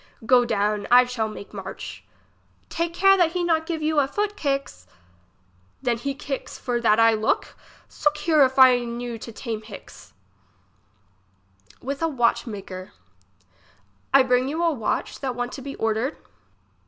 Go down, I shall make march. Take care that he not give you a foot kick's. Then he kicks for that I look ? Sook here if I knew to tame hix. IVith a watch maker. I bring you a watch that want to be ordered.